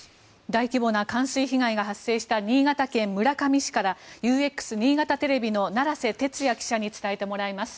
大規模な冠水被害が発生した新潟県村上市からＵＸ新潟テレビの奈良瀬哲也記者に伝えてもらいます。